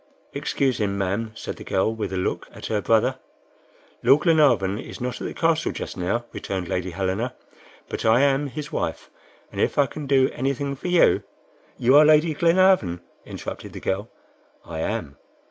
"Excuse him, ma'am," said the girl, with a look at her brother. "Lord Glenarvan is not at the castle just now," returned Lady Helena; "but I am his wife, and if I can do anything for you " "You are Lady Glenarvan?" interrupted the girl. "I am."